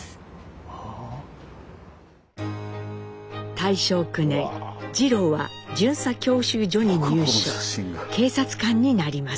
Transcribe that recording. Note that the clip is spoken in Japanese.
大正９年次郎は巡査教習所に入所警察官になります。